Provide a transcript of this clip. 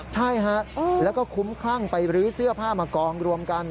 ใช่ฮะแล้วก็คุ้มคลั่งไปรื้อเสื้อผ้ามากองรวมกัน